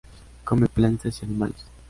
Come plantas y animales.